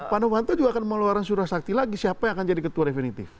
pak novanto juga akan mengeluarkan surat sakti lagi siapa yang akan jadi ketua definitif